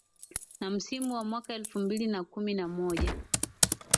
na msimu wa mwaka elfu mbili na kumi na moja